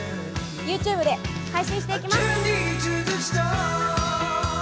ＹｏｕＴｕｂｅで配信していきます。